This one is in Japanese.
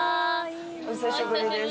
お久しぶりです。